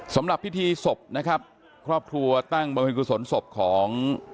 สำหรับพิธีศพครอบครัวตั้งบริพิธีสนศพของ